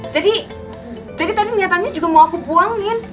jadi tadi niatannya juga mau aku buangin